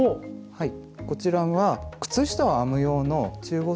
はい。